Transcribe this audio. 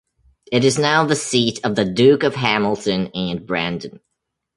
It is now the seat of the Duke of Hamilton and Brandon.